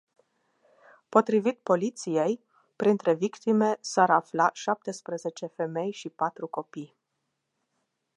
Potrivit poliției, printre victime sar afla șaptesprezece femei și patru copii.